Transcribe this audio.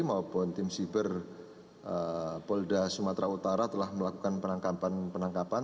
maupun tim siber polda sumatera utara telah melakukan penangkapan penangkapan